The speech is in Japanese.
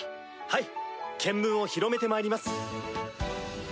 はい見聞を広めてまいります。